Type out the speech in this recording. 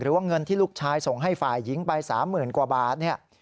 ว่าเงินที่ลูกชายส่งให้ฝ่ายหญิงไป๓๐๐๐กว่าบาทเนี่ย